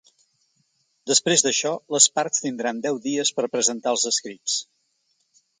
Després d’això, les parts tindran deu dies per a presentar els escrits.